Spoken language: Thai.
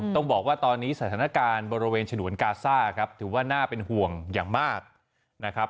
ต้องบอกว่าตอนนี้สถานการณ์บริเวณฉนวนกาซ่าครับถือว่าน่าเป็นห่วงอย่างมากนะครับ